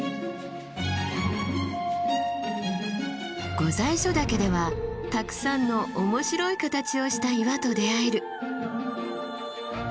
御在所岳ではたくさんの面白い形をした岩と出会える。